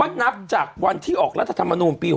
นับจากวันที่ออกรัฐธรรมนูลปี๖๐